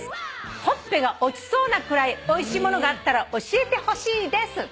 「ほっぺが落ちそうなくらいおいしいものがあったら教えてほしいです」